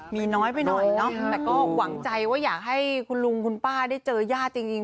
มีน้อยไปหน่อยเนาะแต่ก็หวังใจว่าอยากให้คุณลุงคุณป้าได้เจอญาติจริง